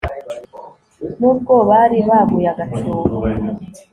n'ubwo bari baguye agacuho